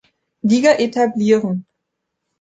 Liga etablieren.